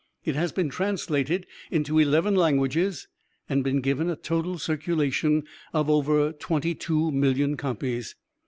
It has been translated into eleven languages, and been given a total circulation of over twenty two million copies.